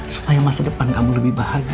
supaya masa depan kamu lebih bahagia